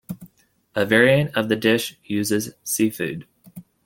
A variant of the dish uses seafood.